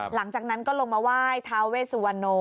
หลังจากนั้นก็ลงมาว่ายทาเวสัวโน